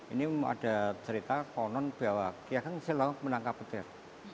ini ada cerita konon bahwa kyageng selaw menangkap petir